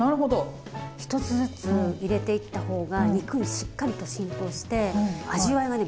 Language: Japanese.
１つずつ入れていった方が肉にしっかりと浸透して味わいがね